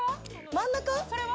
真ん中は？